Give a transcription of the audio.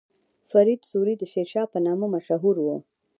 فرید سوري د شیرشاه په نامه مشهور و.